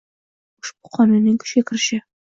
Ushbu Qonunning kuchga kirishi